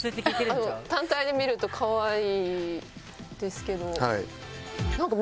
単体で見ると可愛いですけど。